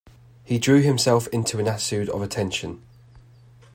He drew himself into an attitude of attention.